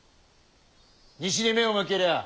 西に目を向けりゃあ